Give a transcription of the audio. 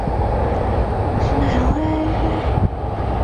清水氏赤箭为兰科赤箭属下的一个种。